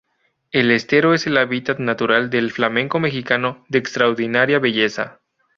El estero es el hábitat natural del Flamenco mexicano de extraordinaria belleza.